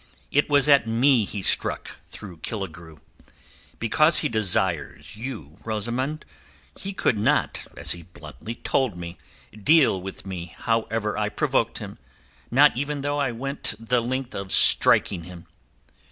It was at me he struck through Killigrew. Because he desires you, Rosamund, he could not—as he bluntly told me—deal with me however I provoked him, not even though I went the length of striking him.